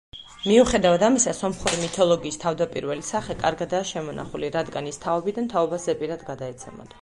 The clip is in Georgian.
მიუხედავად ამისა სომხური მითოლოგიის თავდაპირველი სახე კარგადაა შემონახული რადგან ის თაობიდან თაობას ზეპირად გადაეცემოდა.